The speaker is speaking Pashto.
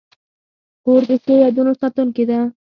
خور د ښو یادونو ساتونکې ده.